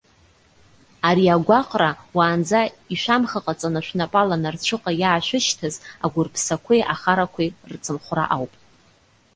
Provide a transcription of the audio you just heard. Ари агәаҟра, уаанӡа ишәамхаҟаҵаны шәнапала нарцәыҟа иаашәышьҭыз агәырԥсақәеи ахарақәеи рцымхәра ауп.